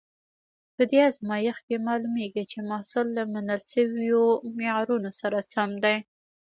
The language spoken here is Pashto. په دې ازمېښت کې معلومیږي چې محصول له منل شویو معیارونو سره سم دی.